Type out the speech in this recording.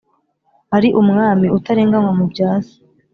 ari umwami utarenganywa mu bya se.